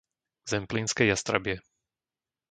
Zemplínske Jastrabie